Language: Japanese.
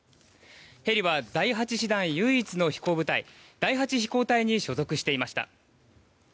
ヘリは第８師団唯一の飛行部隊第８飛行隊に所属していました。